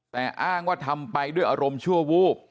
แต่อ้างว่าทำไปด้วยอารมณ์ชั่ววูบ